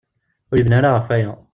Ur yebni ara ɣef waya.